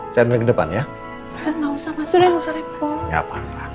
slipping depan ya vacuumrp